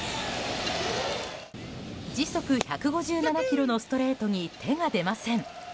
時速１５７キロのストレートに手が出ません。